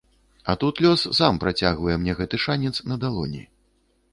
А тут лёс сам працягвае мне гэты шанец на далоні.